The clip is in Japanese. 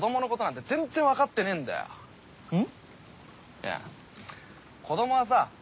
いや子供はさ